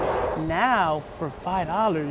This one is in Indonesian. sekarang untuk lima dolar